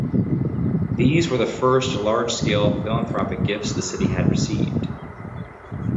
These were the first large-scale philanthropic gifts the city had received.